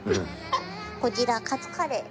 こちらカツカレー。